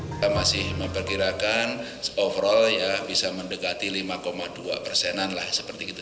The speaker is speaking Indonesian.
kita masih memperkirakan overall ya bisa mendekati lima dua persenan lah seperti itu